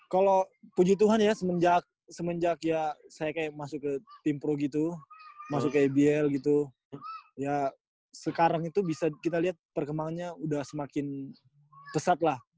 kalau puji tuhan ya semenjak semenjak ya saya kayak masuk ke tim pro gitu masuk kbl gitu ya sekarang itu bisa kita lihat perkembangannya udah semakin pesat lah